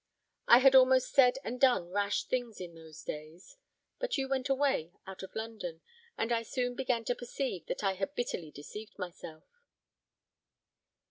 I had almost said and done rash things in those days; but you went away out of London, and I soon began to perceive that I had bitterly deceived myself."